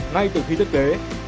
ngay từ khi thiết kế